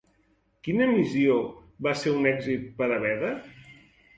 Quina missió va ser un èxit per a Beda?